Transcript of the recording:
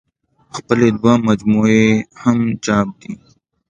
خپلې دوه مجموعې يې هم چاپ دي